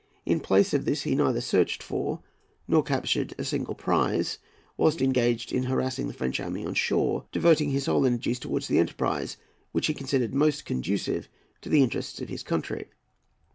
In place of this, he neither searched for nor captured a single prize, whilst engaged in harassing the French army on shore, devoting his whole energies towards the enterprise which he considered most conducive to the interests of his country.